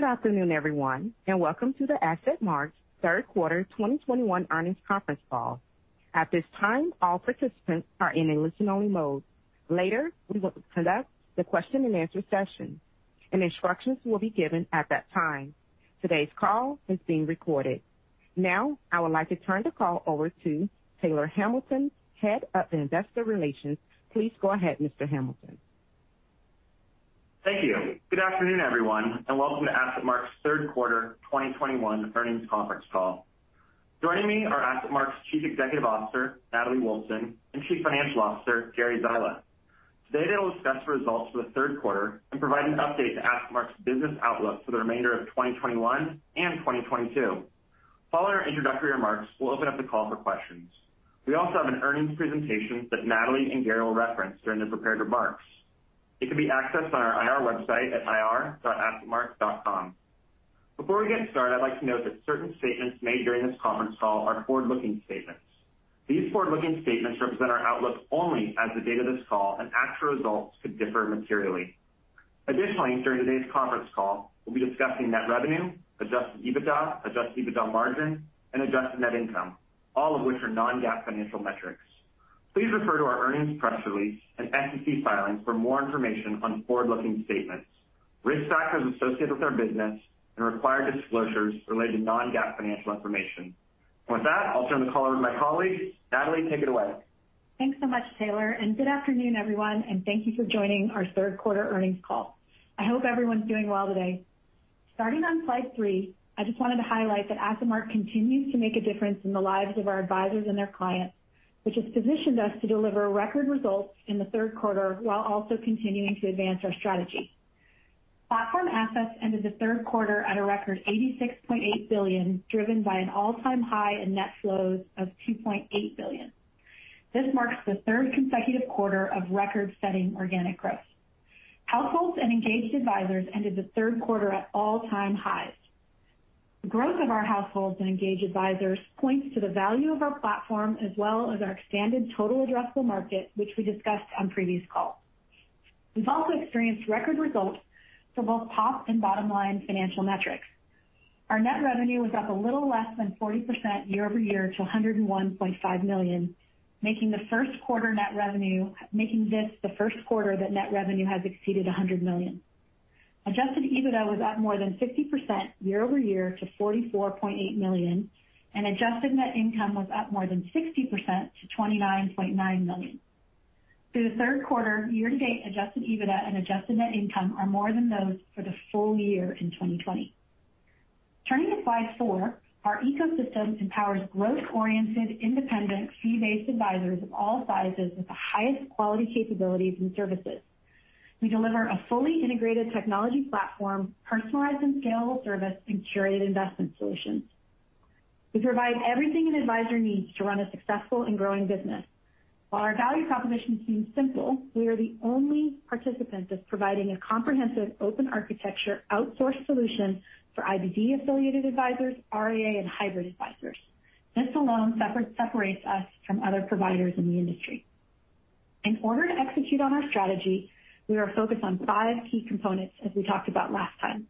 Good afternoon, everyone, and welcome to the AssetMark third quarter 2021 earnings conference call. At this time, all participants are in a listen-only mode. Later, we will conduct the question and answer session, and instructions will be given at that time. Today's call is being recorded. Now, I would like to turn the call over to Taylor Hamilton, Head of Investor Relations. Please go ahead, Mr. Hamilton. Thank you. Good afternoon, everyone, and welcome to AssetMark's third quarter 2021 earnings conference call. Joining me are AssetMark's Chief Executive Officer, Natalie Wolfsen, and Chief Financial Officer, Gary Zyla. Today, they will discuss the results for the third quarter and provide an update to AssetMark's business outlook for the remainder of 2021 and 2022. Following our introductory remarks, we'll open up the call for questions. We also have an earnings presentation that Natalie and Gary will reference during their prepared remarks. It can be accessed on our IR website at ir.assetmark.com. Before we get started, I'd like to note that certain statements made during this conference call are forward-looking statements. These forward-looking statements represent our outlook only as of the date of this call and actual results could differ materially. Additionally, during today's conference call, we'll be discussing net revenue, Adjusted EBITDA, adjusted EBITDA margin, and adjusted net income, all of which are non-GAAP financial metrics. Please refer to our earnings press release and SEC filings for more information on forward-looking statements, risk factors associated with our business and required disclosures related to non-GAAP financial information. With that, I'll turn the call over to my colleagues. Natalie, take it away. Thanks so much, Taylor, and good afternoon, everyone, and thank you for joining our third quarter earnings call. I hope everyone's doing well today. Starting on slide three, I just wanted to highlight that AssetMark continues to make a difference in the lives of our advisors and their clients, which has positioned us to deliver record results in the third quarter while also continuing to advance our strategy. Platform assets ended the third quarter at a record $86.8 billion, driven by an all-time high in net flows of $2.8 billion. This marks the third consecutive quarter of record-setting organic growth. Households and engaged advisors ended the third quarter at all-time highs. The growth of our households and engaged advisors points to the value of our platform as well as our expanded total addressable market, which we discussed on previous calls. We've also experienced record results for both top and bottom-line financial metrics. Our net revenue was up a little less than 40% year over year to $101.5 million, making this the first quarter that net revenue has exceeded $100 million. Adjusted EBITDA was up more than 50% year over year to $44.8 million, and adjusted net income was up more than 60% to $29.9 million. Through the third quarter, year-to-date Adjusted EBITDA and adjusted net income are more than those for the full year in 2020. Turning to slide four, our ecosystem empowers growth-oriented, independent, fee-based advisors of all sizes with the highest quality capabilities and services. We deliver a fully integrated technology platform, personalized and scalable service, and curated investment solutions. We provide everything an advisor needs to run a successful and growing business. While our value proposition seems simple, we are the only participant that's providing a comprehensive open architecture outsourced solution for IBD-affiliated advisors, RIA, and hybrid advisors. This alone separates us from other providers in the industry. In order to execute on our strategy, we are focused on five key components as we talked about last time.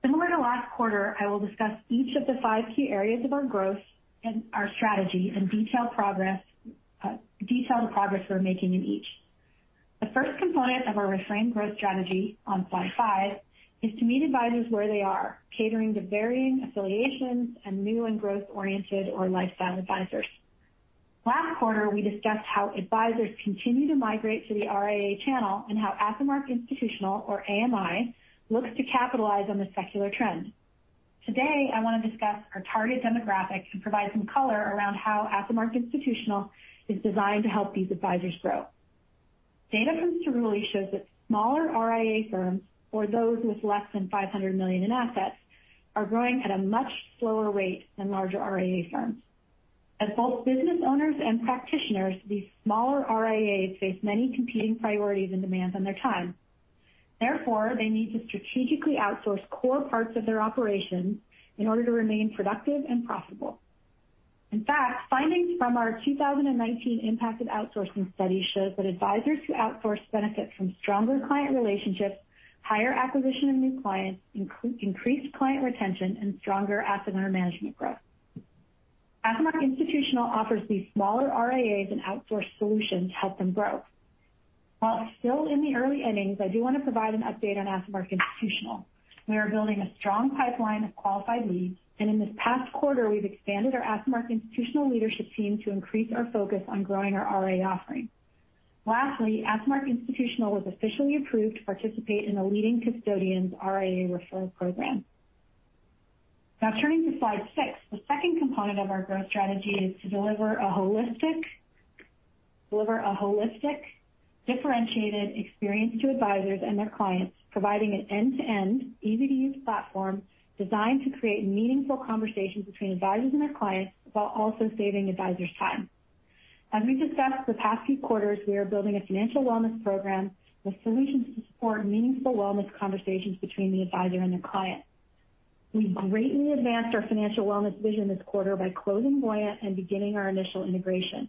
Similar to last quarter, I will discuss each of the five key areas of our growth and our strategy and detail the progress we're making in each. The first component of our reframed growth strategy on slide five is to meet advisors where they are, catering to varying affiliations and new and growth-oriented or lifestyle advisors. Last quarter, we discussed how advisors continue to migrate to the RIA channel and how AssetMark Institutional, or AMI, looks to capitalize on this secular trend. Today, I want to discuss our target demographics and provide some color around how AssetMark Institutional is designed to help these advisors grow. Data from Cerulli shows that smaller RIA firms or those with less than $500 million in assets are growing at a much slower rate than larger RIA firms. As both business owners and practitioners, these smaller RIAs face many competing priorities and demands on their time. Therefore, they need to strategically outsource core parts of their operations in order to remain productive and profitable. In fact, findings from our 2019 Impact of Outsourcing study showed that advisors who outsource benefit from stronger client relationships, higher acquisition of new clients, increased client retention, and stronger asset under management growth. AssetMark Institutional offers these smaller RIAs an outsourced solution to help them grow. While it's still in the early innings, I do want to provide an update on AssetMark Institutional. We are building a strong pipeline of qualified leads, and in this past quarter, we've expanded our AssetMark Institutional leadership team to increase our focus on growing our RIA offering. Lastly, AssetMark Institutional was officially approved to participate in a leading custodian's RIA referral program. Now turning to slide six. The second component of our growth strategy is to deliver a holistic differentiated experience to advisors and their clients, providing an end-to-end easy-to-use platform designed to create meaningful conversations between advisors and their clients while also saving advisors time. As we've discussed the past few quarters, we are building a financial wellness program with solutions to support meaningful wellness conversations between the advisor and their client. We greatly advanced our financial wellness vision this quarter by closing Voyant and beginning our initial integration.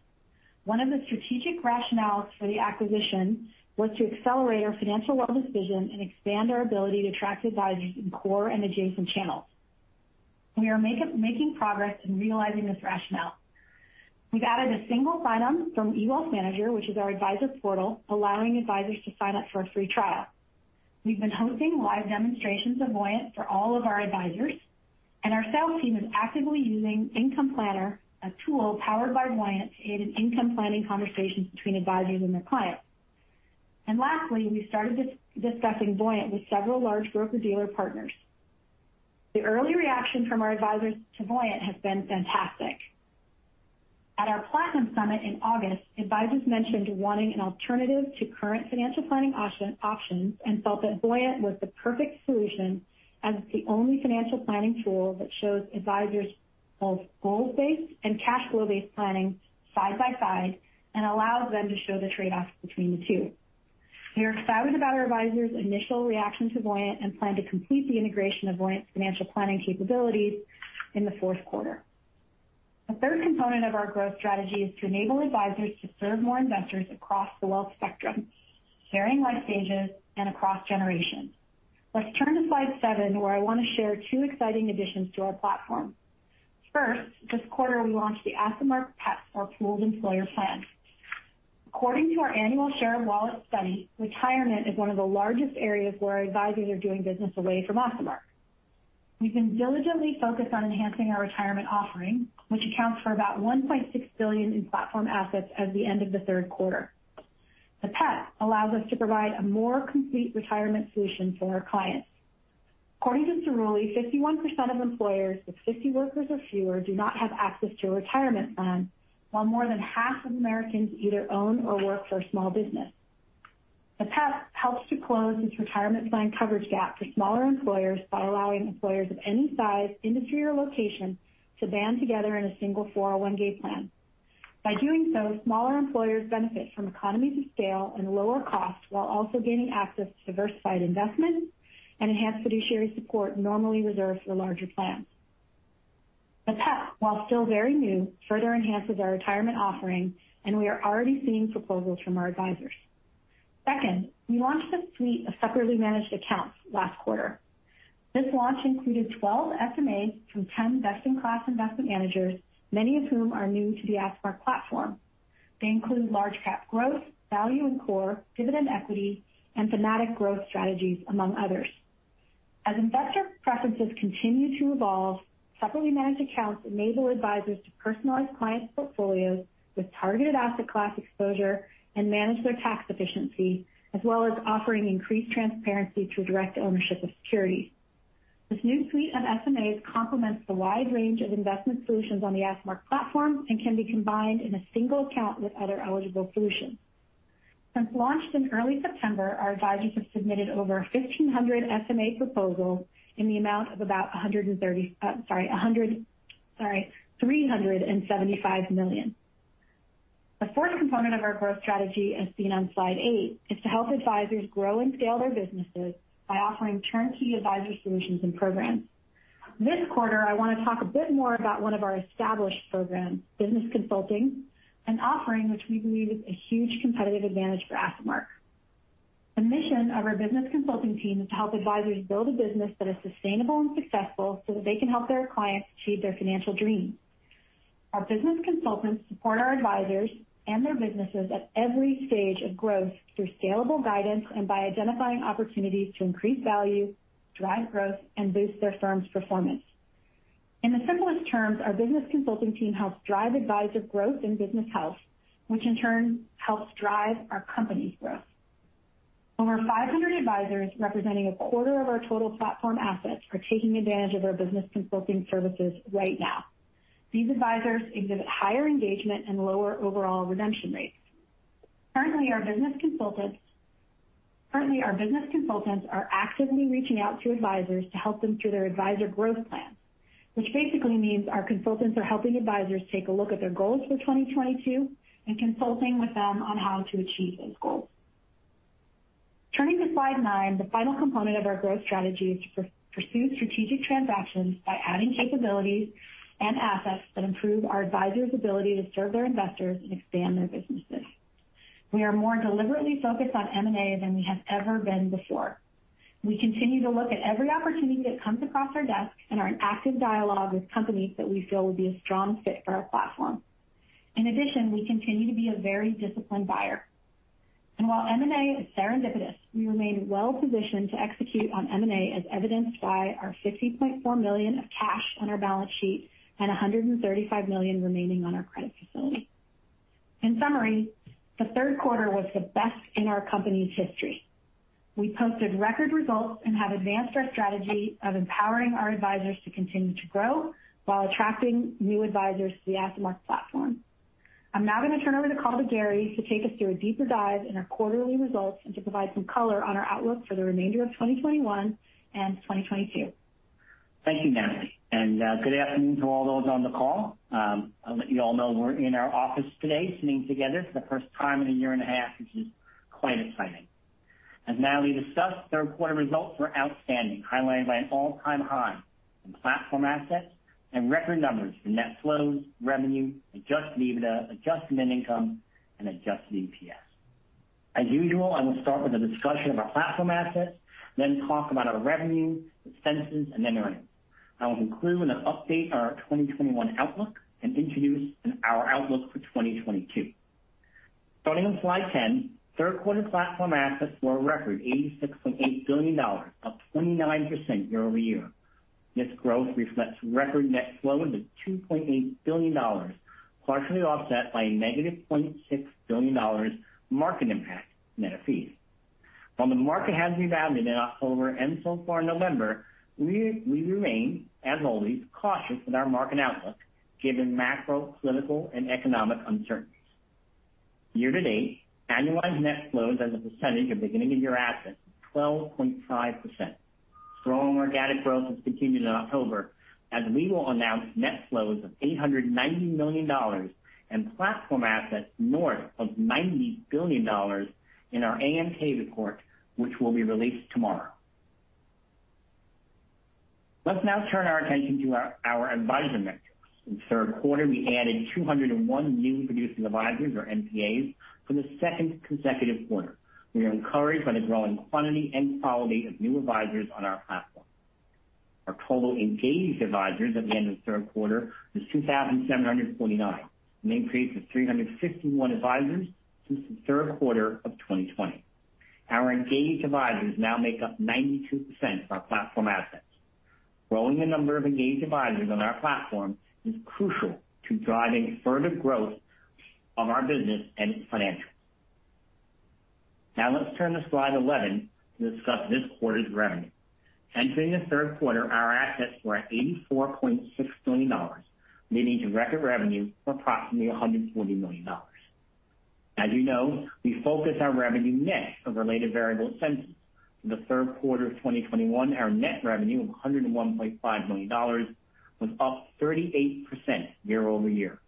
One of the strategic rationales for the acquisition was to accelerate our financial wellness vision and expand our ability to attract advisors in core and adjacent channels. We are making progress in realizing this rationale. We've added a single sign-on from eWealthManager, which is our advisors portal, allowing advisors to sign up for a free trial. We've been hosting live demonstrations of Voyant for all of our advisors, and our sales team is actively using Income Planner, a tool powered by Voyant, to aid in income planning conversations between advisors and their clients. Lastly, we started discussing Voyant with several large broker-dealer partners. The early reaction from our advisors to Voyant has been fantastic. At our Platinum Summit in August, advisors mentioned wanting an alternative to current financial planning options and felt that Voyant was the perfect solution as the only financial planning tool that shows advisors both goals-based and cash flow-based planning side by side and allows them to show the trade-offs between the two. We are excited about our advisors' initial reaction to Voyant and plan to complete the integration of Voyant's financial planning capabilities in the fourth quarter. The third component of our growth strategy is to enable advisors to serve more investors across the wealth spectrum, sharing life stages and across generations. Let's turn to slide 7, where I want to share two exciting additions to our platform. First, this quarter, we launched the AssetMark PEP, or Pooled Employer Plan. According to our annual Share of Wallet study, retirement is one of the largest areas where advisors are doing business away from AssetMark. We've been diligently focused on enhancing our retirement offering, which accounts for about $1.6 billion in platform assets at the end of the third quarter. The PEP allows us to provide a more complete retirement solution for our clients. According to Cerulli, 51% of employers with 50 workers or fewer do not have access to a retirement plan, while more than half of Americans either own or work for a small business. The PEP helps to close this retirement plan coverage gap for smaller employers by allowing employers of any size, industry, or location to band together in a single 401(k) plan. By doing so, smaller employers benefit from economies of scale and lower costs while also gaining access to diversified investments and enhanced fiduciary support normally reserved for larger plans. The PEP, while still very new, further enhances our retirement offering, and we are already seeing proposals from our advisors. Second, we launched a suite of separately managed accounts last quarter. This launch included 12 SMAs from 10 best-in-class investment managers, many of whom are new to the AssetMark platform. They include large cap growth, value and core, dividend equity, and thematic growth strategies, among others. As investor preferences continue to evolve, separately managed accounts enable advisors to personalize clients' portfolios with targeted asset class exposure and manage their tax efficiency, as well as offering increased transparency through direct ownership of securities. This new suite of SMAs complements the wide range of investment solutions on the AssetMark platform and can be combined in a single account with other eligible solutions. Since launch in early September, our advisors have submitted over 1,500 SMA proposals in the amount of about $375 million. The fourth component of our growth strategy, as seen on slide eight, is to help advisors grow and scale their businesses by offering turnkey advisor solutions and programs. This quarter, I want to talk a bit more about one of our established programs, business consulting, an offering which we believe is a huge competitive advantage for AssetMark. The mission of our business consulting team is to help advisors build a business that is sustainable and successful so that they can help their clients achieve their financial dreams. Our business consultants support our advisors and their businesses at every stage of growth through scalable guidance and by identifying opportunities to increase value, drive growth, and boost their firm's performance. In the simplest terms, our business consulting team helps drive advisor growth and business health, which in turn helps drive our company's growth. Over 500 advisors, representing a quarter of our total platform assets, are taking advantage of our business consulting services right now. These advisors exhibit higher engagement and lower overall redemption rates. Currently, our business consultants are actively reaching out to advisors to help them through their advisor growth plan, which basically means our consultants are helping advisors take a look at their goals for 2022 and consulting with them on how to achieve those goals. Turning to slide nine, the final component of our growth strategy is to pursue strategic transactions by adding capabilities and assets that improve our advisors' ability to serve their investors and expand their businesses. We are more deliberately focused on M&A than we have ever been before. We continue to look at every opportunity that comes across our desk and are in active dialogue with companies that we feel would be a strong fit for our platform. In addition, we continue to be a very disciplined buyer. While M&A is serendipitous, we remain well positioned to execute on M&A, as evidenced by our $50.4 million of cash on our balance sheet and $135 million remaining on our credit facility. In summary, the third quarter was the best in our company's history. We posted record results and have advanced our strategy of empowering our advisors to continue to grow while attracting new advisors to the AssetMark platform. I'm now going to turn over the call to Gary to take us through a deeper dive in our quarterly results and to provide some color on our outlook for the remainder of 2021 and 2022. Thank you, Natalie, and good afternoon to all those on the call. I'll let you all know we're in our office today, sitting together for the first time in a year and a half, which is quite exciting. As Natalie discussed, the reported results were outstanding, highlighted by an all-time high in platform assets and record numbers for net flows, revenue, Adjusted EBITDA, adjusted net income and adjusted EPS. As usual, I will start with a discussion of our platform assets, then talk about our revenue, expenses and then earnings. I will conclude with an update on our 2021 outlook and introduce our outlook for 2022. Starting on slide 10, third quarter platform assets were a record $86.8 billion, up 29% year-over-year. This growth reflects record net flows of $2.8 billion, partially offset by a -$26 billion market impact net of fees. While the market has rebounded in October and so far November, we remain, as always, cautious with our market outlook given macro, political and economic uncertainties. Year to date, annualized net flows as a percentage of beginning of year assets 12.5%. Strong organic growth has continued in October as we will announce net flows of $890 million and platform assets north of $90 billion in our AMK report which will be released tomorrow. Let's now turn our attention to our advisor metrics. In the third quarter, we added 201 newly producing advisors or NPAs for the second consecutive quarter. We are encouraged by the growing quantity and quality of new advisors on our platform. Our total engaged advisors at the end of the third quarter was 2,749, an increase of 361 advisors since the third quarter of 2020. Our engaged advisors now make up 92% of our platform assets. Growing the number of engaged advisors on our platform is crucial to driving further growth of our business and financials. Now let's turn to slide 11 to discuss this quarter's revenue. Entering the third quarter, our assets were $84.6 billion, leading to record revenue of approximately $140 million. As you know, we focus our revenue net of related variable expenses. In the third quarter of 2021, our net revenue of $101.5 million was up 38% year-over-year.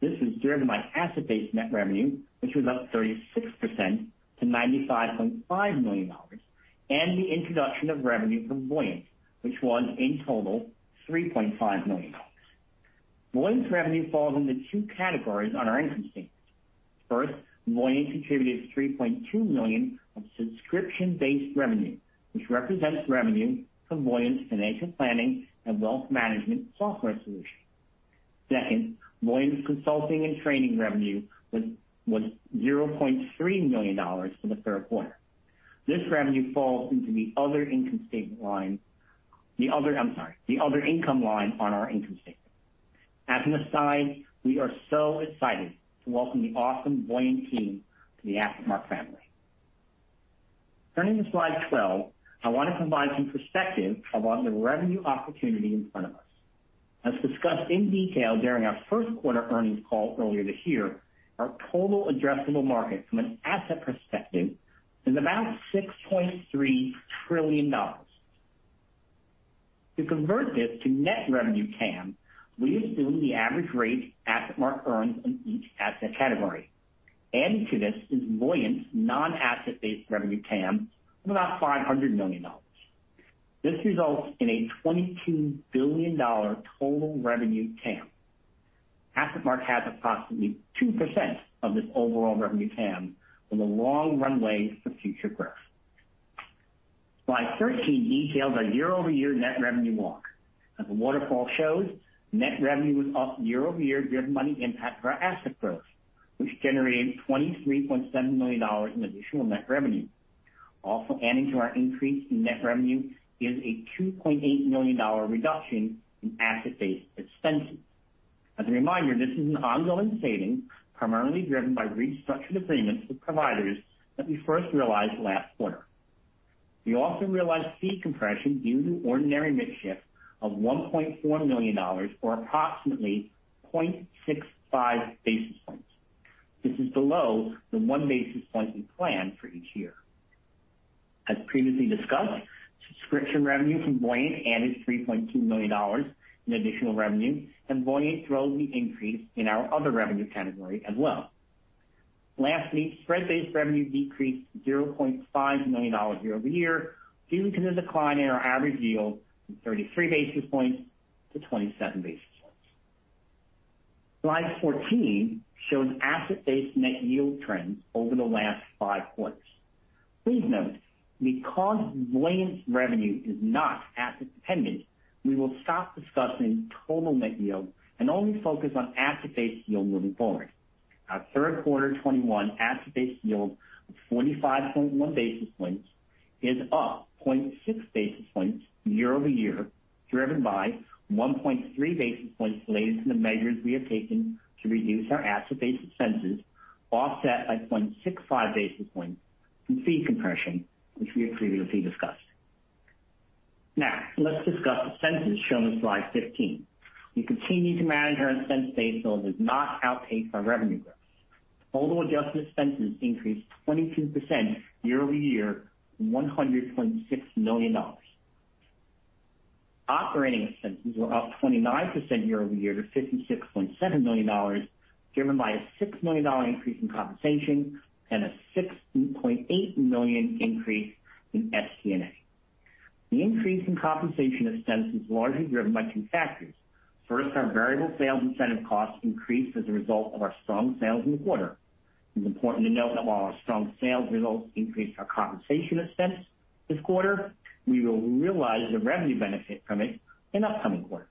This was driven by asset-based net revenue, which was up 36% to $95.5 million, and the introduction of revenue from Voyant, which was in total $3.5 million. Voyant's revenue falls into two categories on our income statement. First, Voyant contributed $3.2 million of subscription-based revenue, which represents revenue from Voyant's financial planning and wealth management software solution. Second, Voyant's consulting and training revenue was $0.3 million for the third quarter. This revenue falls into the other income line on our income statement. As an aside, we are so excited to welcome the awesome Voyant team to the AssetMark family. Turning to slide 12, I want to provide some perspective about the revenue opportunity in front of us. As discussed in detail during our first quarter earnings call earlier this year, our total addressable market from an asset perspective is about $6.3 trillion. To convert this to net revenue TAM, we assume the average rate AssetMark earns in each asset category. Adding to this is Voyant's non-asset-based revenue TAM of about $500 million. This results in a $22 billion total revenue TAM. AssetMark has approximately 2% of this overall revenue TAM with a long runway for future growth. Slide 13 details our year-over-year net revenue walk. As the waterfall shows, net revenue was up year-over-year, driven by the impact of our asset growth, which generated $23.7 million in additional net revenue. Also adding to our increase in net revenue is a $2.8 million reduction in asset-based expenses. As a reminder, this is an ongoing saving primarily driven by restructured agreements with providers that we first realized last quarter. We also realized fee compression due to ordinary mix shift of $1.4 million or approximately 0.65 basis points. This is below the 1 basis point we plan for each year. As previously discussed, subscription revenue from Voyant added $3.2 million in additional revenue, and Voyant drove the increase in our other revenue category as well. Lastly, spread-based revenue decreased $0.5 million year-over-year, due to the decline in our average yield from 33 basis points to 27 basis points. Slide 14 shows asset-based net yield trends over the last 5 quarters. Please note, because Voyant's revenue is not asset dependent, we will stop discussing total net yield and only focus on asset-based yield moving forward. Our third quarter 2021 asset-based yield of 45.1 basis points is up 0.6 basis points year-over-year, driven by 1.3 basis points related to the measures we have taken to reduce our asset-based expenses, offset by 0.65 basis points from fee compression which we have previously discussed. Now let's discuss expenses shown in slide 15. We continue to manage our expense base so it does not outpace our revenue growth. Total adjusted expenses increased 22% year-over-year from $126 million. Operating expenses were up 29% year-over-year to $56.7 million, driven by a $6 million increase in compensation and a $6.8 million increase in SG&A. The increase in compensation expenses is largely driven by two factors. First, our variable sales incentive costs increased as a result of our strong sales in the quarter. It's important to note that while our strong sales results increased our compensation expense this quarter, we will realize the revenue benefit from it in upcoming quarters.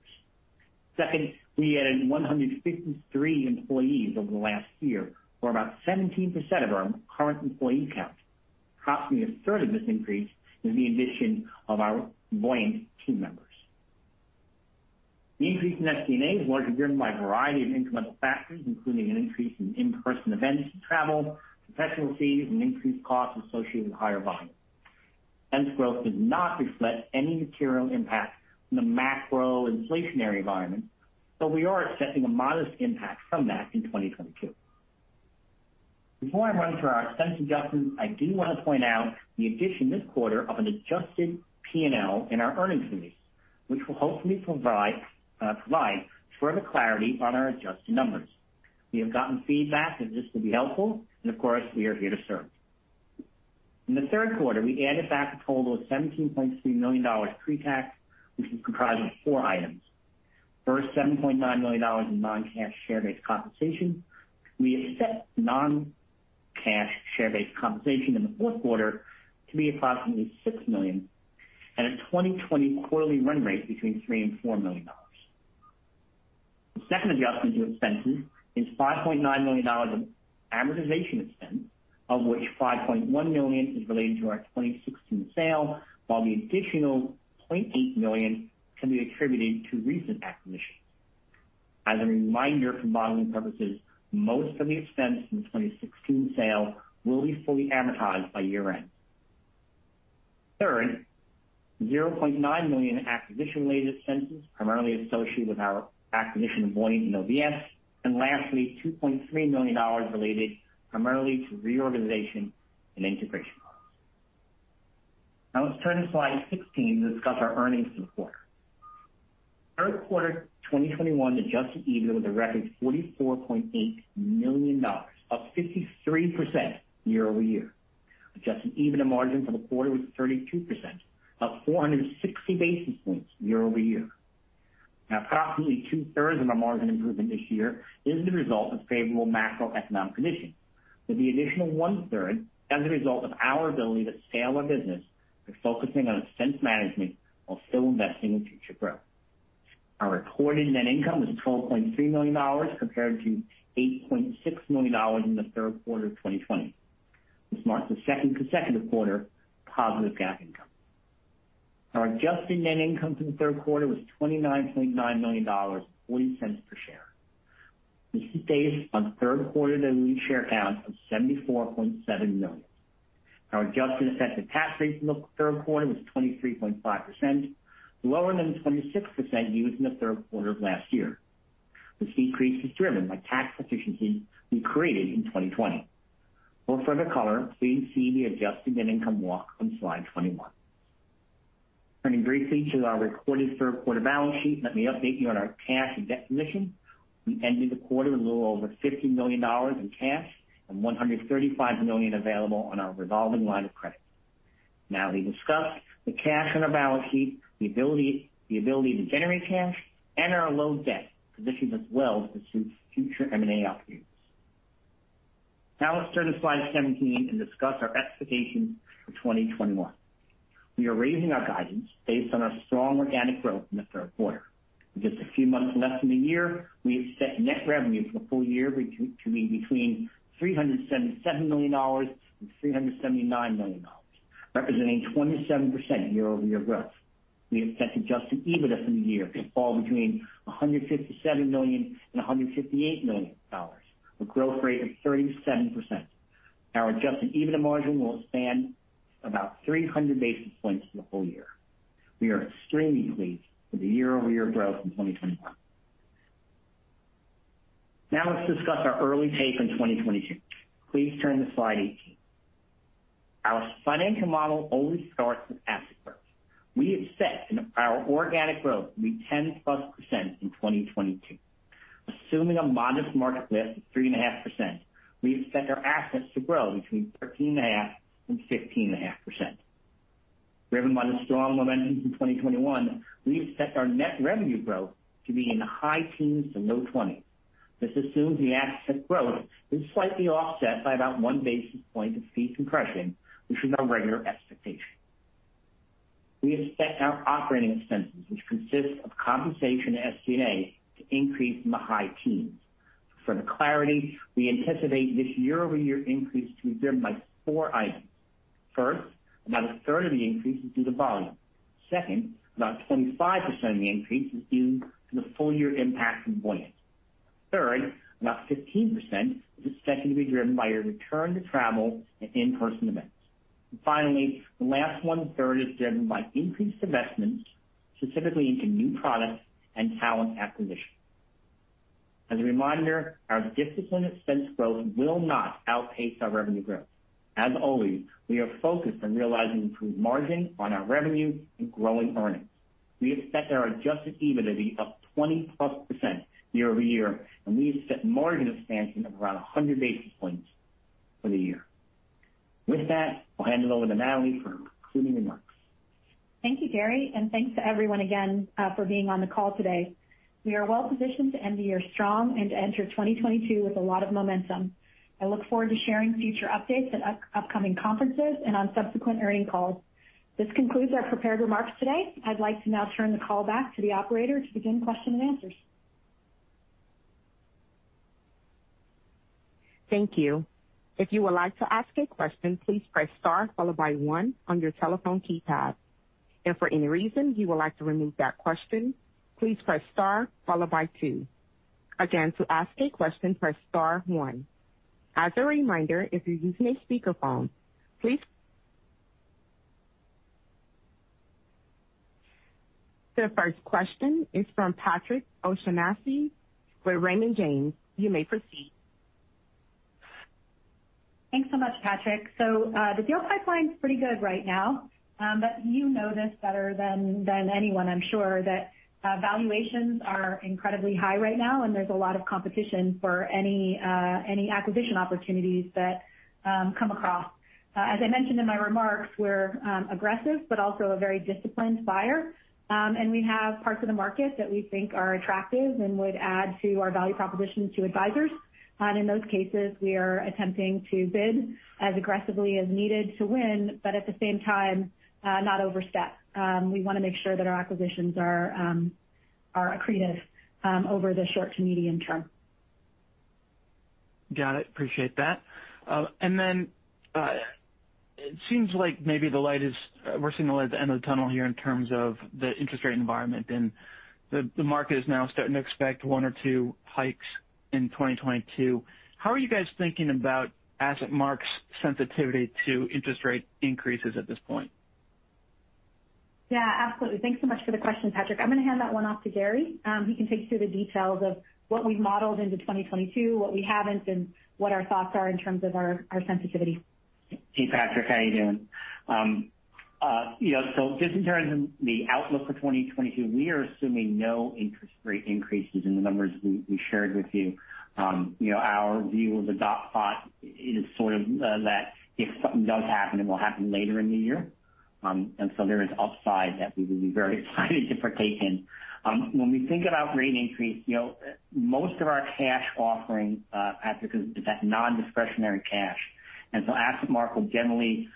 Second, we added 153 employees over the last year, or about 17% of our current employee count. Approximately a third of this increase is the addition of our Voyant team members. The increase in SG&A is largely driven by a variety of incremental factors, including an increase in in-person events and travel, professional fees, and increased costs associated with higher volume. Expense growth does not reflect any material impact from the macro-inflationary environment, though we are expecting a modest impact from that in 2022. Before I run through our expense adjustments, I do want to point out the addition this quarter of an adjusted P&L in our earnings release, which will hopefully provide provide further clarity on our adjusted numbers. We have gotten feedback that this will be helpful and of course, we are here to serve. In the third quarter, we added back a total of $17.3 million pretax, which is comprised of four items. First, $7.9 million in non-cash share-based compensation. We expect non-cash share-based compensation in the fourth quarter to be approximately $6 million, at a 2020 quarterly run rate between $3 million and $4 million. The second adjustment to expenses is $5.9 million of amortization expense, of which $5.1 million is related to our 2016 sale, while the additional $0.8 million can be attributed to recent acquisitions. As a reminder for modeling purposes, most of the expense in the 2016 sale will be fully amortized by year-end. Third, $0.9 million acquisition-related expenses primarily associated with our acquisition of Voyant and OBS. Lastly, $2.3 million related primarily to reorganization and integration costs. Now let's turn to slide 16 to discuss our earnings for the quarter. Third quarter 2021 adjusted EBITDA was a record $44.8 million, up 53% year-over-year. Adjusted EBITDA margin for the quarter was 32%, up 460 basis points year-over-year. Now, approximately two-thirds of our margin improvement this year is the result of favorable macroeconomic conditions, with the additional one-third as a result of our ability to scale our business by focusing on expense management while still investing in future growth. Our recorded net income was $12.3 million compared to $8.6 million in the third quarter of 2020. This marks the second consecutive quarter of positive GAAP income. Our adjusted net income for the third quarter was $29.9 million, $0.40 per share. This is based on third quarter daily share count of 74.7 million. Our adjusted effective tax rate in the third quarter was 23.5%, lower than the 26% used in the third quarter of last year. This decrease is driven by tax efficiency we created in 2020. For further color, please see the adjusted net income walk on slide 21. Turning briefly to our recorded third quarter balance sheet, let me update you on our cash and debt position. We ended the quarter with a little over $50 million in cash and $135 million available on our revolving line of credit. Now we discussed the cash on our balance sheet, the ability to generate cash, and our low debt positions us well to pursue future M&A opportunities. Now let's turn to slide 17 and discuss our expectations for 2021. We are raising our guidance based on our strong organic growth in the third quarter. In just a few months less than a year, we have set net revenue for the full year between $377 million and $379 million, representing 27% year-over-year growth. We expect Adjusted EBITDA for the year to fall between $157 million and $158 million, a growth rate of 37%. Our Adjusted EBITDA margin will expand about 300 basis points for the whole year. We are extremely pleased with the year-over-year growth in 2021. Now let's discuss our early take on 2022. Please turn to slide 18. Our financial model always starts with asset growth. We expect our organic growth to be 10%+ in 2022. Assuming a modest market lift of 3.5%, we expect our assets to grow between 13.5% and 15.5%. Driven by the strong momentum from 2021, we expect our net revenue growth to be in the high teens% to low 20s%. This assumes the asset growth is slightly offset by about 1 basis point of fee compression, which is our regular expectation. We expect our operating expenses, which consist of compensation and SG&A, to increase in the high teens%. For further clarity, we anticipate this year-over-year increase to be driven by four items. First, about a third of the increase is due to volume. Second, about 25% of the increase is due to the full year impact from Voyant. Third, about 15% is expected to be driven by a return to travel and in-person events. Finally, the last one third is driven by increased investments, specifically into new products and talent acquisition. As a reminder, our disciplined expense growth will not outpace our revenue growth. As always, we are focused on realizing improved margin on our revenue and growing earnings. We expect our adjusted EBITDA to be up 20%+ year-over-year, and we expect margin expansion of around 100 basis points for the year. With that, I'll hand it over to Natalie for concluding remarks. Thank you, Gary, and thanks to everyone again for being on the call today. We are well-positioned to end the year strong and to enter 2022 with a lot of momentum. I look forward to sharing future updates at upcoming conferences and on subsequent earnings calls. This concludes our prepared remarks today. I'd like to now turn the call back to the operator to begin questions and answers. The first question is from Patrick O'Shaughnessy with Raymond James. You may proceed. Thanks so much, Patrick. The deal pipeline's pretty good right now. You know this better than anyone, I'm sure, that valuations are incredibly high right now, and there's a lot of competition for any acquisition opportunities that come across. As I mentioned in my remarks, we're aggressive but also a very disciplined buyer. We have parts of the market that we think are attractive and would add to our value proposition to advisors. In those cases, we are attempting to bid as aggressively as needed to win, but at the same time, not overstep. We wanna make sure that our acquisitions are accretive over the short to medium term. Got it. Appreciate that. It seems like we're seeing the light at the end of the tunnel here in terms of the interest rate environment, and the market is now starting to expect one or two hikes in 2022. How are you guys thinking about AssetMark's sensitivity to interest rate increases at this point? Yeah. Absolutely. Thanks so much for the question, Patrick. I'm gonna hand that one off to Gary. He can take you through the details of what we modeled into 2022, what we haven't, and what our thoughts are in terms of our sensitivity. Hey, Patrick. How are you doing? You know, just in terms of the outlook for 2022, we are assuming no interest rate increases in the numbers we shared with you. You know, our view of the dot plot is sort of that if something does happen, it will happen later in the year. There is upside that we would be very excited to partake in. When we think about rate increase, you know, most of our cash offering is at non-discretionary cash. AssetMark will generally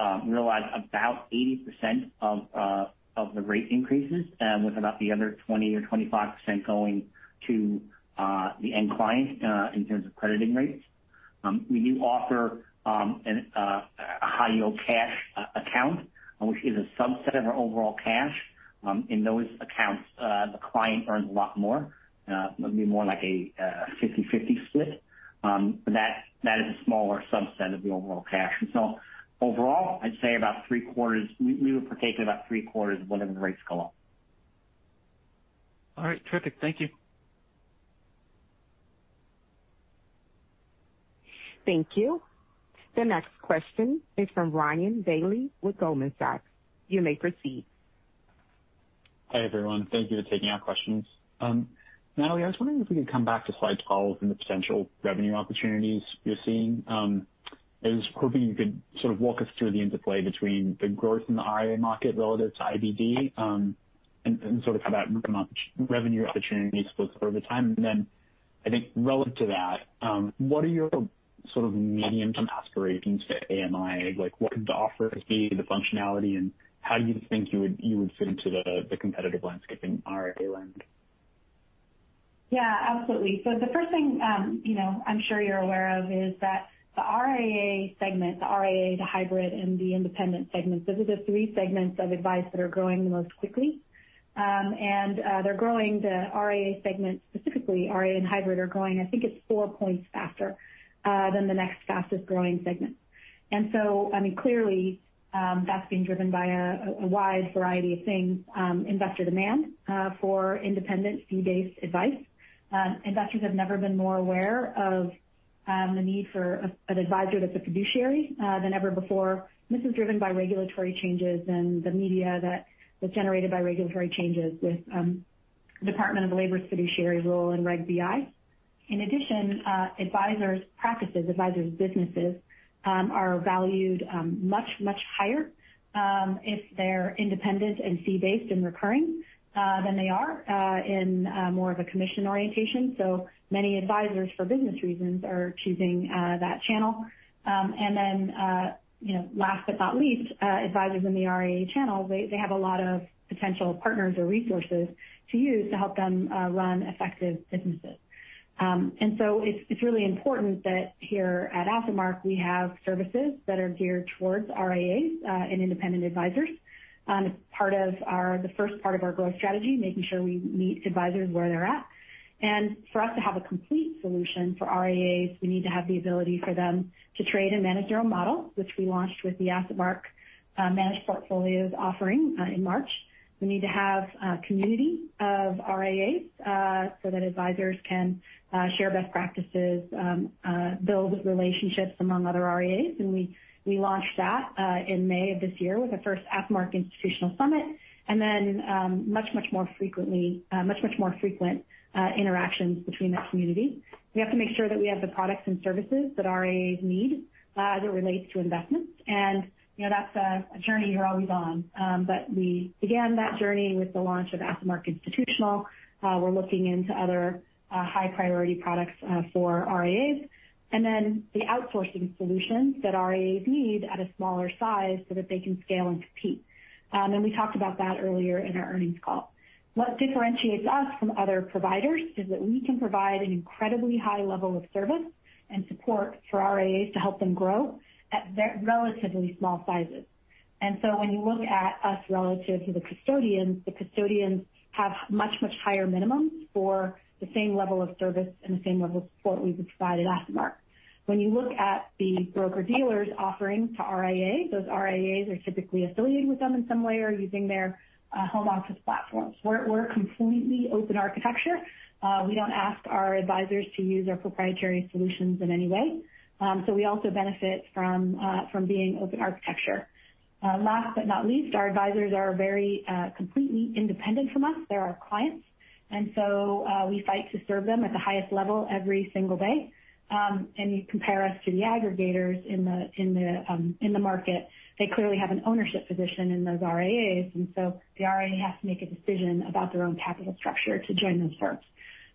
realize about 80% of the rate increases, with about the other 20% or 25% going to the end client in terms of crediting rates. We do offer a high yield cash account, which is a subset of our overall cash. In those accounts, the client earns a lot more. It would be more like a 50/50 split. But that is a smaller subset of the overall cash. Overall, I'd say about 3/4. We would partake in about 3/4 of whatever the rates go up. All right. Terrific. Thank you. Thank you. The next question is from Ryan Bailey with Goldman Sachs. You may proceed. Hi, everyone. Thank you for taking our questions. Natalie, I was wondering if we could come back to slide 12 and the potential revenue opportunities you're seeing. I was hoping you could sort of walk us through the interplay between the growth in the RIA market relative to IBD, and sort of how that revenue opportunity splits over time. I think relative to that, what are your sort of medium-term aspirations for AMI? Like, what could the offer be, the functionality, and how do you think you would fit into the competitive landscape in RIA land? Yeah, absolutely. The first thing, you know, I'm sure you're aware of is that the RIA segment, the hybrid, and the independent segments, those are the three segments of advice that are growing the most quickly. They're growing. The RIA segment specifically, RIA and hybrid are growing, I think it's four points faster than the next fastest-growing segment. I mean, clearly, that's being driven by a wide variety of things, investor demand for independent fee-based advice. Investors have never been more aware of the need for an advisor that's a fiduciary than ever before. This is driven by regulatory changes and the media that was generated by regulatory changes with Department of Labor's fiduciary rule in Reg BI. In addition, advisors' practices, advisors' businesses are valued much higher if they're independent and fee-based and recurring than they are in more of a commission orientation. Many advisors for business reasons are choosing that channel. You know, last but not least, advisors in the RIA channel, they have a lot of potential partners or resources to use to help them run effective businesses. It's really important that here at AssetMark, we have services that are geared towards RIAs and independent advisors. It's part of our, the first part of our growth strategy, making sure we meet advisors where they're at. For us to have a complete solution for RIAs, we need to have the ability for them to trade and manage their own model, which we launched with the AssetMark managed portfolios offering in March. We need to have a community of RIAs, so that advisors can share best practices, build relationships among other RIAs. We launched that in May of this year with the first AssetMark Institutional Summit, and then much more frequent interactions between that community. We have to make sure that we have the products and services that RIAs need, as it relates to investments. You know, that's a journey you're always on. We began that journey with the launch of AssetMark Institutional. We're looking into other high-priority products for RIAs. The outsourcing solutions that RIAs need at a smaller size so that they can scale and compete. We talked about that earlier in our earnings call. What differentiates us from other providers is that we can provide an incredibly high level of service and support for RIAs to help them grow at their relatively small sizes. When you look at us relative to the custodians, the custodians have much, much higher minimums for the same level of service and the same level of support we've provided by AssetMark. When you look at the broker-dealers offering to RIAs, those RIAs are typically affiliating with them in some way or using their home office platforms. We're a completely open architecture. We don't ask our advisors to use our proprietary solutions in any way. We also benefit from being open architecture. Last but not least, our advisors are very completely independent from us. They're our clients. We fight to serve them at the highest level every single day. When you compare us to the aggregators in the market, they clearly have an ownership position in those RIAs, and so the RIA has to make a decision about their own capital structure to join those firms.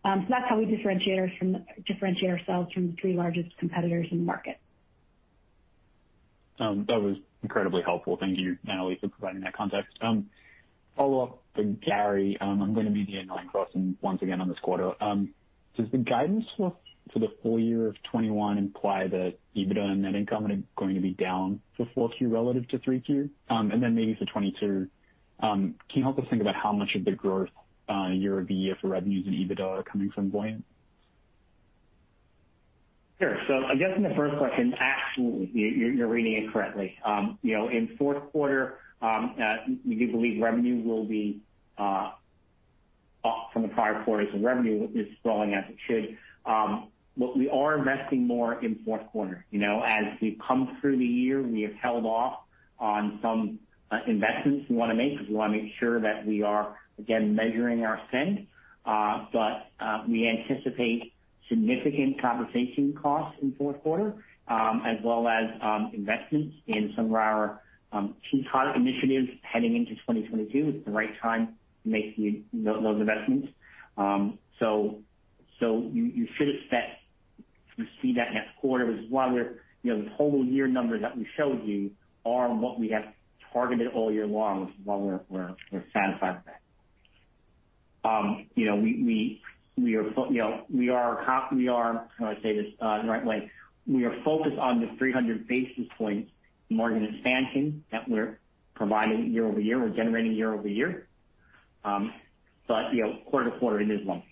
That's how we differentiate ourselves from the three largest competitors in the market. That was incredibly helpful. Thank you, Natalie, for providing that context. Follow-up for Gary. I'm gonna be the annoying person once again on this quarter. Does the guidance for the full year of 2021 imply that EBITDA and net income are going to be down for Q4 relative to Q3? And then maybe for 2022, can you help us think about how much of the growth year-over-year for revenues and EBITDA are coming from Voyant? Sure. I guess in the first question, absolutely, you're reading it correctly. In fourth quarter, we do believe revenue will be up from the prior quarters. Revenue is growing as it should. We are investing more in fourth quarter. As we've come through the year, we have held off on some investments we wanna make because we wanna make sure that we are, again, measuring our spend. We anticipate significant compensation costs in fourth quarter, as well as investments in some of our key product initiatives heading into 2022. It's the right time to make those investments. You should expect to see that next quarter, which is why we're, you know, the total year numbers that we showed you are what we have targeted all year long, which is why we're satisfied with that. You know, how do I say this the right way? We are focused on the 300 basis points margin expansion that we're providing year-over-year or generating year-over-year. You know, quarter to quarter it is lumpy.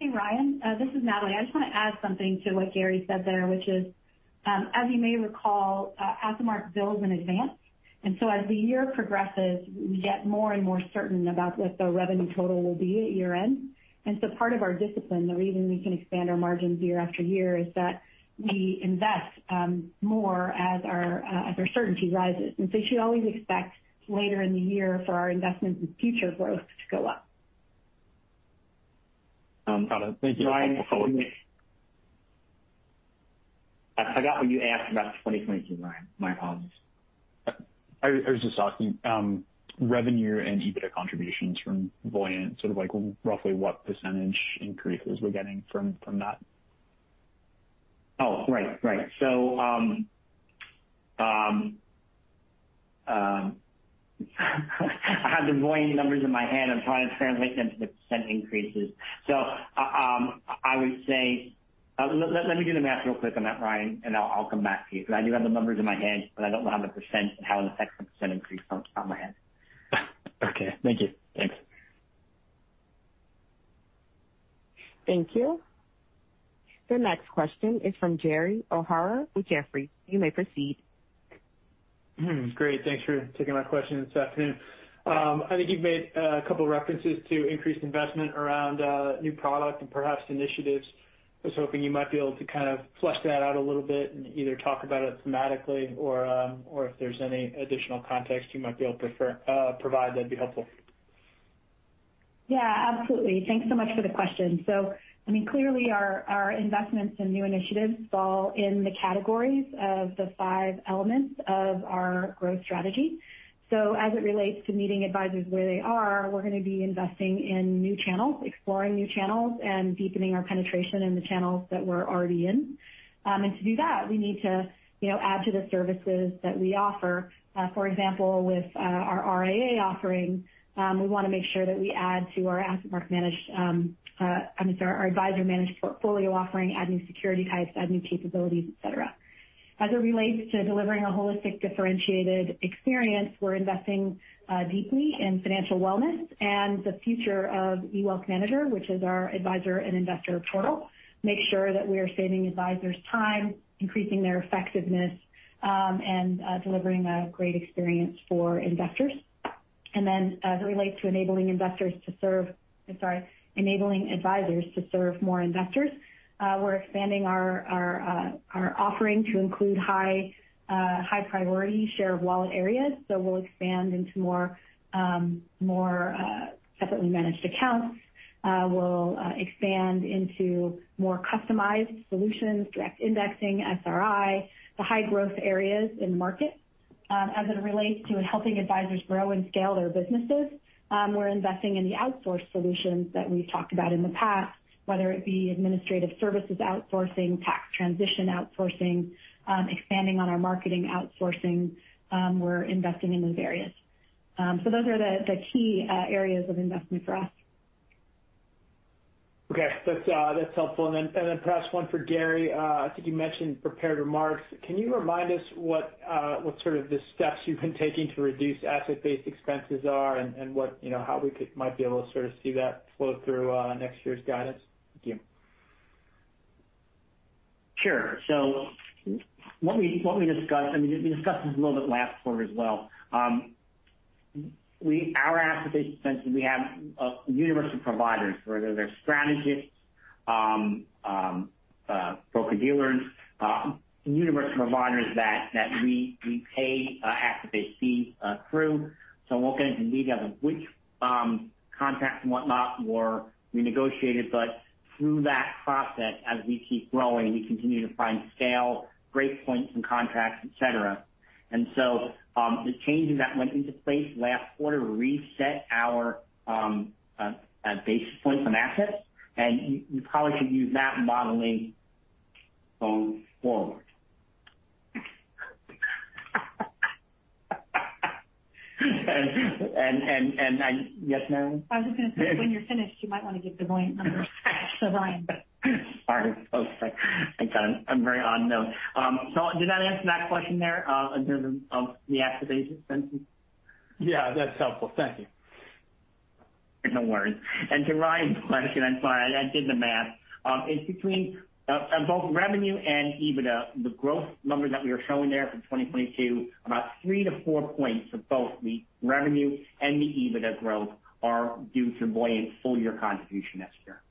Hey, Ryan, this is Natalie. I just wanna add something to what Gary said there, which is, as you may recall, AssetMark bills in advance. As the year progresses, we get more and more certain about what the revenue total will be at year-end. Part of our discipline, the reason we can expand our margins year after year, is that we invest more as our certainty rises. You should always expect later in the year for our investments and future growth to go up. Got it. Thank you. Ryan, I got what you asked about 2022, Ryan. My apologies. I was just asking, revenue and EBITDA contributions from Voyant, sort of like roughly what percentage increases we're getting from that. Right. I have the Voyant numbers in my hand. I'm trying to translate them to the % increases. I would say. Let me do the math real quick on that, Ryan, and I'll come back to you, because I do have the numbers in my head, but I don't know how the % and how it affects the % increase on my end. Okay. Thank you. Thanks. Thank you. The next question is from Gerry O'Hara with Jefferies. You may proceed. Great. Thanks for taking my question this afternoon. I think you've made a couple references to increased investment around new product and perhaps initiatives. I was hoping you might be able to kind of flesh that out a little bit and either talk about it thematically or if there's any additional context you might be able provide that'd be helpful. Yeah, absolutely. Thanks so much for the question. I mean, clearly our investments in new initiatives fall in the categories of the five elements of our growth strategy. As it relates to meeting advisors where they are, we're gonna be investing in new channels, exploring new channels, and deepening our penetration in the channels that we're already in. To do that, we need to, you know, add to the services that we offer. For example, with our RIA offering, we wanna make sure that we add to our AssetMark managed. I'm sorry, our Advisor Managed Portfolios offering, add new security types, add new capabilities, et cetera. As it relates to delivering a holistic, differentiated experience, we're investing deeply in financial wellness and the future of eWealthManager, which is our advisor and investor portal to make sure that we are saving advisors time, increasing their effectiveness, and delivering a great experience for investors. Then as it relates to enabling advisors to serve more investors, we're expanding our offering to include high priority share of wallet areas. We'll expand into more separately managed accounts. We'll expand into more customized solutions, direct indexing, SRI, the high growth areas in market. As it relates to helping advisors grow and scale their businesses, we're investing in the outsource solutions that we've talked about in the past, whether it be administrative services outsourcing, tax transition outsourcing, expanding on our marketing outsourcing, we're investing in those areas. Those are the key areas of investment for us. Okay. That's helpful. Perhaps one for Gary. I think you mentioned prepared remarks. Can you remind us what sort of the steps you've been taking to reduce asset-based expenses are and what, you know, how we might be able to sort of see that flow through next year's guidance? Thank you. Sure. What we discussed, I mean, we discussed this a little bit last quarter as well. Our asset-based expenses, we have universal providers, whether they're strategists, broker-dealers, universal providers that we pay asset-based fees through. I won't get into the details of which contracts and whatnot were renegotiated, but through that process, as we keep growing, we continue to find scale, break points in contracts, et cetera. The changes that went into place last quarter reset our basis points on assets, and you probably could use that modeling going forward. Yes, Natalie? I was just gonna say, when you're finished, you might want to give the Voyant numbers to Ryan. Sorry. Oh, sorry. I got on a very odd note. Did that answer that question there, in terms of the asset-based expenses? Yeah, that's helpful. Thank you. No worries. To Ryan's question, I'm sorry, I did the math. It's between, on both revenue and EBITDA, the growth numbers that we are showing there for 2022, about three to four points of both the revenue and the EBITDA growth are due to Voyant's full year contribution next year.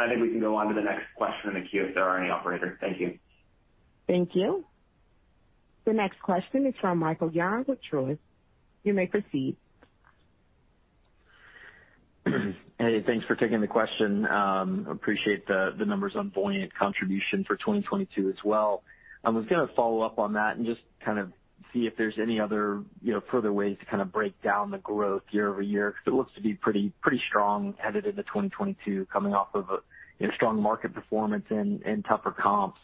I think we can go on to the next question in the queue if there are any, operator. Thank you. Thank you. The next question is from Michael Young with Truist. You may proceed. Hey, thanks for taking the question. Appreciate the numbers on Voyant contribution for 2022 as well. I was gonna follow up on that and just kind of see if there's any other, you know, further ways to kind of break down the growth year-over-year, because it looks to be pretty strong headed into 2022, coming off of a, you know, strong market performance and tougher comps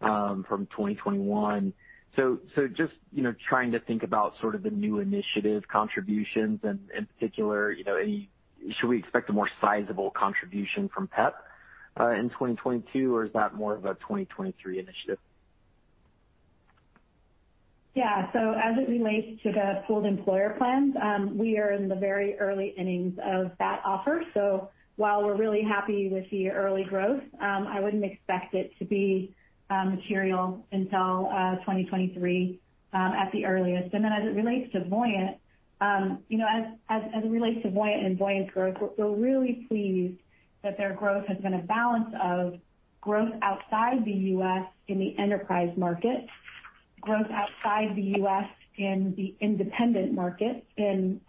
from 2021. Just, you know, trying to think about sort of the new initiative contributions and in particular, you know, any. Should we expect a more sizable contribution from PEP in 2022, or is that more of a 2023 initiative? Yeah. As it relates to the pooled employer plans, we are in the very early innings of that offer. While we're really happy with the early growth, I wouldn't expect it to be material until 2023 at the earliest. Then as it relates to Voyant, you know, as it relates to Voyant and Voyant's growth, we're really pleased that their growth has been a balance of growth outside the U.S. in the enterprise market, growth outside the U.S. in the independent market in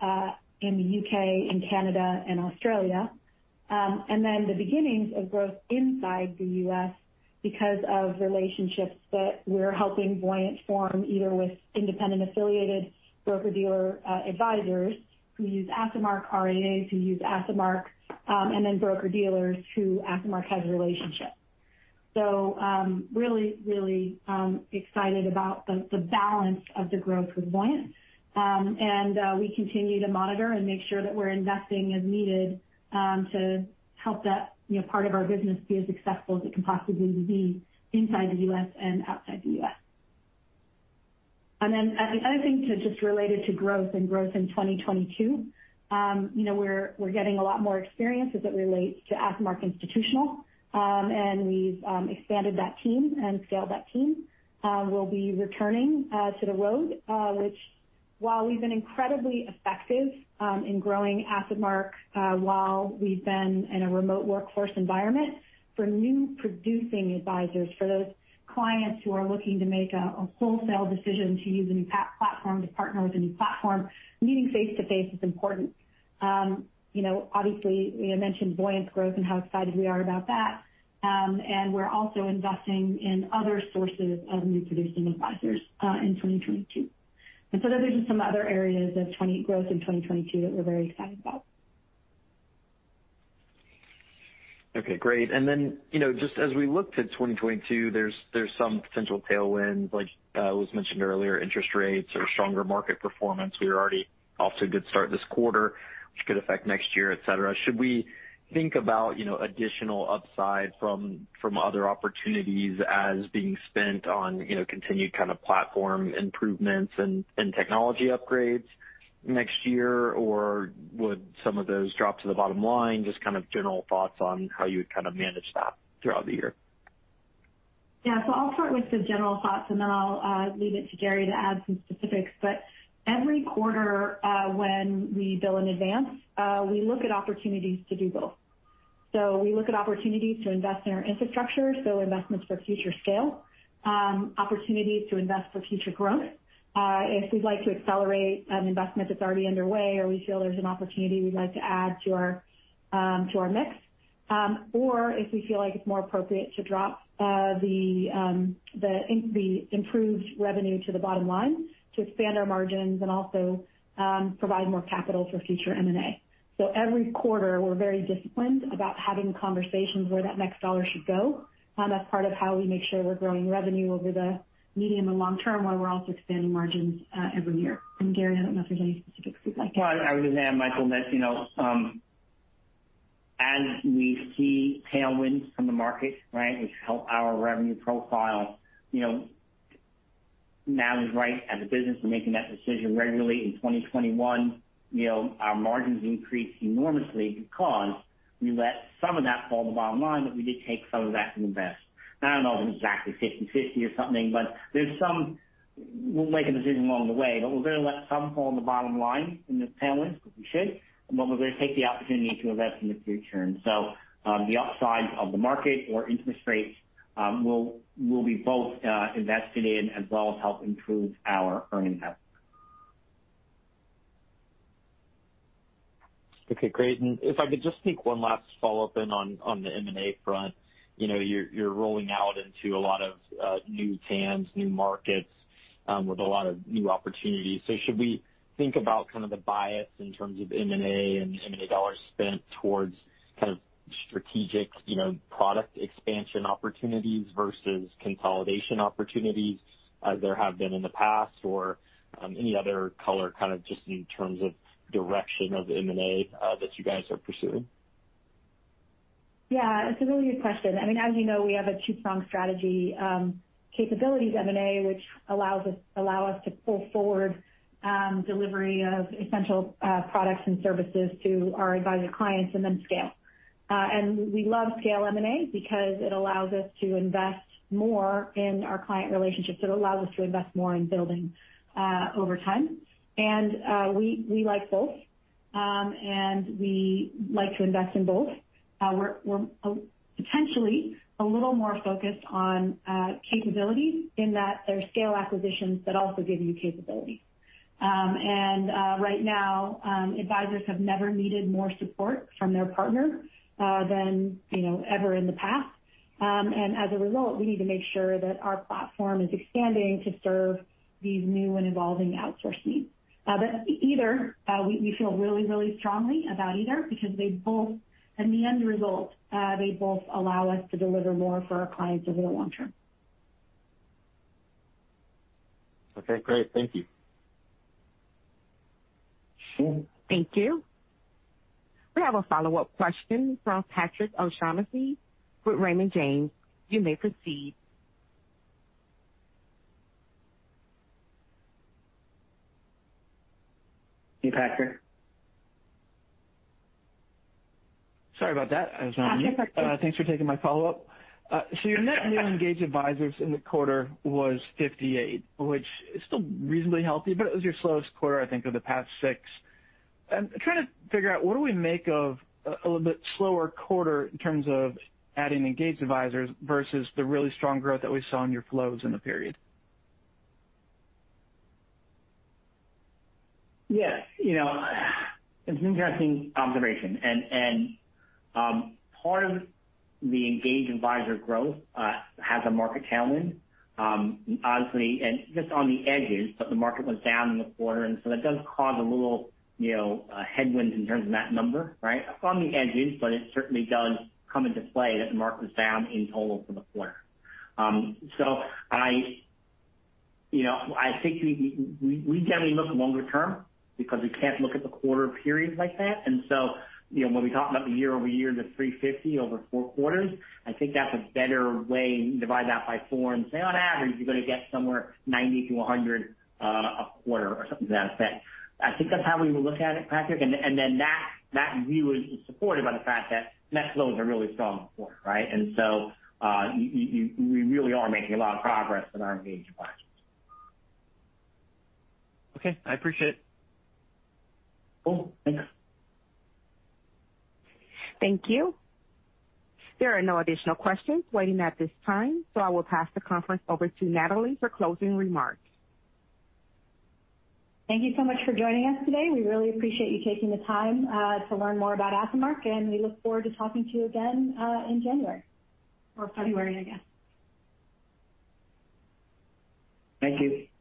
the U.K. and Canada and Australia. And then the beginnings of growth inside the U.S. because of relationships that we're helping Voyant form, either with independent affiliated broker-dealer advisors who use AssetMark, RIAs who use AssetMark, and then broker-dealers who AssetMark has a relationship. Really excited about the balance of the growth with Voyant. We continue to monitor and make sure that we're investing as needed to help that, you know, part of our business be as successful as it can possibly be inside the U.S. and outside the U.S. The other thing to just relate it to growth and growth in 2022, you know, we're getting a lot more experience as it relates to AssetMark Institutional, and we've expanded that team and scaled that team. We'll be returning to the road, which, while we've been incredibly effective in growing AssetMark while we've been in a remote workforce environment, for new producing advisors, for those clients who are looking to make a wholesale decision to use a new platform, to partner with a new platform, meeting face-to-face is important. You know, obviously, we had mentioned Voyant's growth and how excited we are about that. We're also investing in other sources of new producing advisors in 2022. Those are just some other areas of growth in 2022 that we're very excited about. Okay, great. Then, you know, just as we look to 2022, there's some potential tailwinds like was mentioned earlier, interest rates or stronger market performance. We were already off to a good start this quarter, which could affect next year, et cetera. Should we think about, you know, additional upside from other opportunities as being spent on, you know, continued kind of platform improvements and technology upgrades next year? Or would some of those drop to the bottom line? Just kind of general thoughts on how you would kind of manage that throughout the year. Yeah. I'll start with the general thoughts, and then I'll leave it to Gary to add some specifics. Every quarter, when we bill in advance, we look at opportunities to do both. We look at opportunities to invest in our infrastructure, so investments for future scale, opportunities to invest for future growth, if we'd like to accelerate an investment that's already underway or we feel there's an opportunity we'd like to add to our mix, or if we feel like it's more appropriate to drop the improved revenue to the bottom line to expand our margins and also provide more capital for future M&A. Every quarter, we're very disciplined about having conversations where that next dollar should go. That's part of how we make sure we're growing revenue over the medium and long term, while we're also expanding margins every year. Gary, I don't know if there's any specifics you'd like to add. Well, I would add, Michael, that, you know, as we see tailwinds from the market, right, which help our revenue profile, you know, now, as a business, we're making that decision regularly. In 2021, you know, our margins increased enormously because we let some of that fall to the bottom line, but we did take some of that to invest. I don't know if it was exactly 50/50 or something, but we'll make a decision along the way, but we're gonna let some fall on the bottom line in this tailwind, because we should, and then we're gonna take the opportunity to invest in the future. The upside of the market or interest rates will be both invested in as well as help improve our earnings outlook. Okay, great. If I could just sneak one last follow-up in on the M&A front. You know, you're rolling out into a lot of new TAMs, new markets, with a lot of new opportunities. Should we think about kind of the bias in terms of M&A and M&A dollars spent towards kind of strategic, you know, product expansion opportunities versus consolidation opportunities as there have been in the past, or any other color kind of just in terms of direction of M&A that you guys are pursuing? Yeah, it's a really good question. I mean, as you know, we have a two-pronged strategy, capabilities M&A, which allows us to pull forward delivery of essential products and services to our advisor clients and then scale. We love scale M&A because it allows us to invest more in our client relationships. It allows us to invest more in building over time. We like both. We like to invest in both. We're potentially a little more focused on capability in that there's scale acquisitions that also give you capability. Right now, advisors have never needed more support from their partner than you know ever in the past. As a result, we need to make sure that our platform is expanding to serve these new and evolving outsourcing needs. We feel really strongly about either because they both, in the end result, allow us to deliver more for our clients over the long term. Okay, great. Thank you. Sure. Thank you. We have a follow-up question from Patrick O'Shaughnessy with Raymond James. You may proceed. Hey, Patrick. Sorry about that. I was on mute. Thanks for taking my follow-up. Your net new engaged advisors in the quarter was 58, which is still reasonably healthy, but it was your slowest quarter, I think, of the past six. I'm trying to figure out what do we make of a little bit slower quarter in terms of adding engaged advisors versus the really strong growth that we saw in your flows in the period? Yeah. You know, it's an interesting observation. Part of the engaged advisor growth has a market tailwind, obviously, and just on the edges, but the market went down in the quarter, and so that does cause a little, you know, headwind in terms of that number, right? On the edges, but it certainly does come into play that the market was down in total for the quarter. So, you know, I think we generally look longer term because we can't look at the quarter periods like that. You know, when we talk about the year-over-year, the 350 over four quarters, I think that's a better way. Divide that by four and say on average, you're gonna get somewhere 90-100 a quarter or something to that effect. I think that's how we would look at it, Patrick. That view is supported by the fact that net flows are really strong this quarter, right? We really are making a lot of progress in our engaged advisors. Okay, I appreciate it. Cool. Thanks. Thank you. There are no additional questions waiting at this time, so I will pass the conference over to Natalie for closing remarks. Thank you so much for joining us today. We really appreciate you taking the time to learn more about AssetMark, and we look forward to talking to you again in January or February, I guess. Thank you.